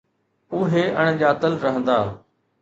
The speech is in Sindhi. اهي اڻ ڄاتل رهندا.